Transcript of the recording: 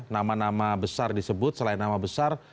nama nama besar disebut selain nama besar